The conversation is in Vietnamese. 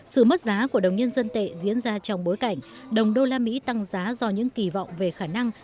sự mất giá của đồng nhân dân tệ diễn ra trong bối cảnh đồng đô la mỹ tăng giá do những kỳ vọng về khả năng